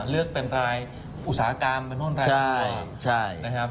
เลือกเป็นรายอุตสาหกรรมเป็นรายทั่ว